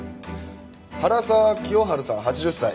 原沢清春さん８０歳。